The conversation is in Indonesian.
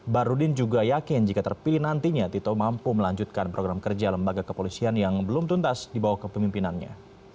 barudin juga yakin jika terpilih nantinya tito mampu melanjutkan program kerja lembaga kepolisian yang belum tuntas dibawah kepemimpinannya